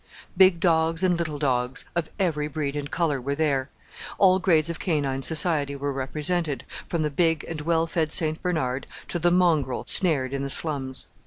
Big dogs and little dogs, of every breed and colour, were there. All grades of canine society were represented, from the big and well fed St. Bernard to the mongrel snared in the slums.